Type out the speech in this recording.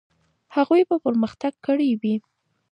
هغوی به پرمختګ کړی وي.